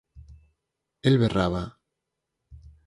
El berraba: